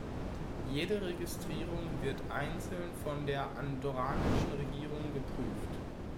Jede Registrierung wird einzeln von der andorranischen Regierung geprüft.